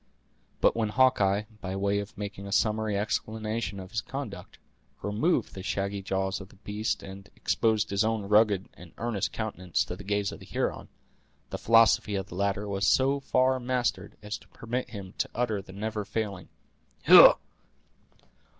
But when Hawkeye, by way of making a summary explanation of his conduct, removed the shaggy jaws of the beast, and exposed his own rugged and earnest countenance to the gaze of the Huron, the philosophy of the latter was so far mastered as to permit him to utter the never failing: "Hugh!"